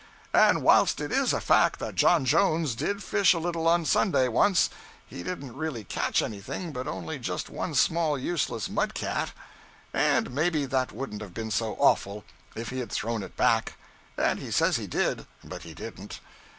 And whilst it is a fact that John Jones did fish a little on Sunday, once, he didn't really catch anything but only just one small useless mud cat; and maybe that wouldn't have been so awful if he had thrown it back as he says he did, but he didn't.